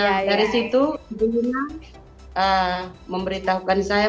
nah dari situ ibu lina memberitahukan saya